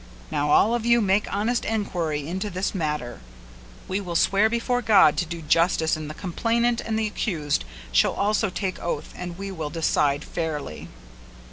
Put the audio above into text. Now all of you make honest enquiry into this matter; we will swear before God to do justice and the complainant and the accused shall also take oath and we will decide fairly."